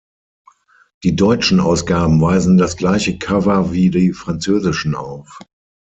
Die deutschen Ausgaben weisen das gleiche Cover wie die französischen auf.